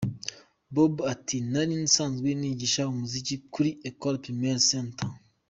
Bob ati “Nari nsanzwe nigisha umuziki kuri Ecole Primaire St.